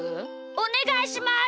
おねがいします！